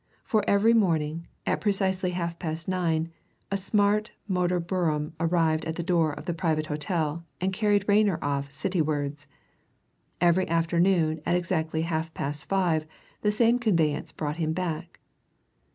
For every morning, at precisely half past nine, a smart motor brougham arrived at the door of the private hotel and carried Rayner off Citywards; every afternoon at exactly half past five the same conveyance brought him back.